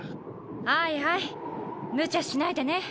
はいはいむちゃしないでね。